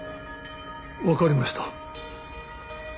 分かりました。